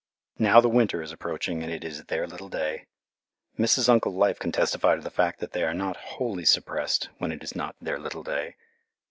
Now the winter is approaching, and it is "their little day." Mrs. Uncle Life can testify to the fact that they are not wholly suppressed when it is not "their little day."